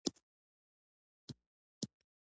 که افغانیت ویاړ لري، دا ویاړ باید په ژوند کې ښکاره شي.